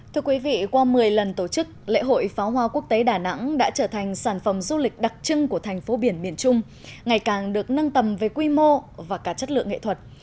thưa quý vị qua một mươi lần tổ chức lễ hội pháo hoa quốc tế đà nẵng đã trở thành sản phẩm du lịch đặc trưng của thành phố biển miền trung ngày càng được nâng tầm về quy mô và cả chất lượng nghệ thuật